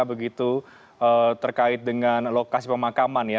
begitu terkait dengan lokasi pemakaman ya